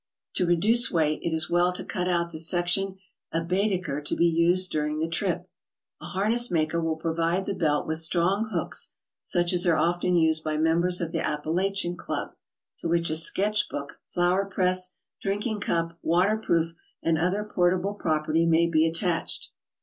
To reduce weight, it is well to cut out the section of Baedeker to be used during the trip. A harness maker will provide the belt with strong hooks (such as are often used by members of the Appalachian Club), to which a sketch book, flower press, drinking cup, waterproof and other ''portable property" may be attached.